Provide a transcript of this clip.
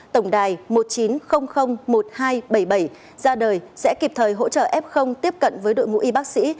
tổng đài một chín không không một hai bảy bảy ra đời sẽ kịp thời hỗ trợ f tiếp cận với đội ngũ y bác sĩ